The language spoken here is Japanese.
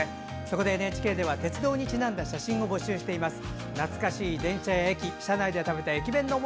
そこで、ＮＨＫでは鉄道にちなんだ写真を募集しています。